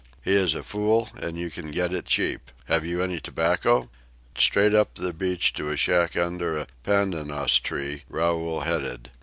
He is a fool and you can get it cheap. Have you any tobacco?" Straight up the beach to a shack under a pandanus tree Raoul headed.